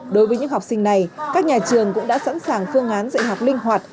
đối với những học sinh này các nhà trường cũng đã sẵn sàng phương án dạy học linh hoạt